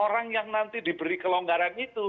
orang yang nanti diberi kelonggaran itu